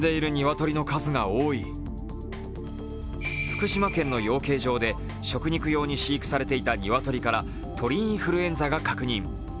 福島県の養鶏場で食肉用に飼育されていた鶏から鳥インフルエンザが確認。